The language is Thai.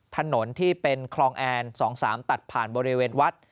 ถนนที่เป็นคลองแอน๒๓ตัดผ่านบริเวณวัด